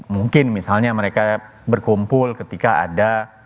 mungkin misalnya mereka berkumpul ketika ada